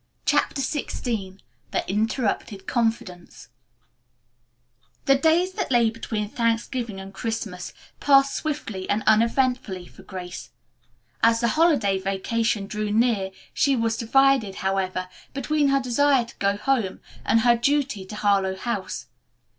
CHAPTER XVI THE INTERRUPTED CONFIDENCE The days that lay between Thanksgiving and Christmas passed swiftly and uneventfully for Grace. As the holiday vacation drew near she was divided, however, between her desire to go home and her duty to Harlowe House.